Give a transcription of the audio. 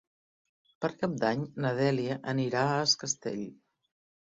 Per Cap d'Any na Dèlia anirà a Es Castell.